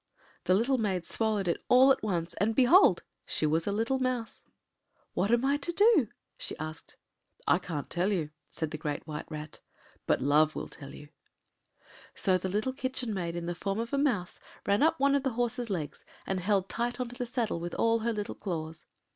” The little maid swallowed it at once, and, behold! she was a little mouse. “What am I to do?” she asked. “I can’t tell you,” said the Great White Rat, “but Love will tell you.” So the little Kitchen Maid, in the form of the mouse, ran up one of the horse’s legs, and held tight on to the saddle with all her little claws.